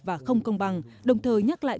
và không công bằng đồng thời nhắc lại